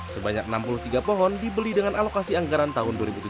sebanyak enam puluh tiga pohon dibeli dengan alokasi anggaran tahun dua ribu tujuh belas